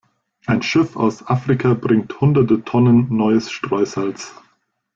Ein Schiff aus Afrika bringt hunderte Tonnen neues Streusalz.